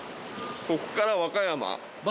こっから和歌山？